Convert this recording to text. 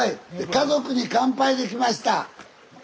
「家族に乾杯」で来ました。